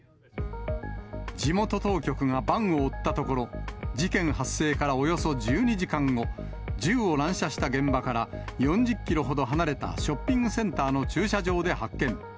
地元当局がバンを追ったところ、事件発生からおよそ１２時間後、銃を乱射した現場から４０キロ離れたショッピングセンターの駐車場で発見。